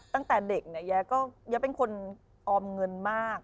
ตั้งแต่เด็กเนี่ยแย้เป็นคนออมเงินมาก